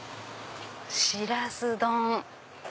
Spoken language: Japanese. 「しらす丼」。